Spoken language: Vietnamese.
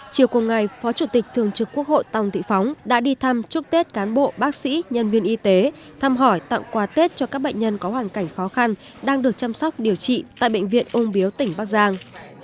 chiều cùng ngày phó chủ tịch thường trực quốc hội tòng thị phóng đã đi thăm chúc tết cán bộ bác sĩ nhân viên y tế thăm hỏi tặng quà tết cho các bệnh nhân có hoàn cảnh khó khăn đang được chăm sóc điều trị tại bệnh viện ung biếu tỉnh bắc giang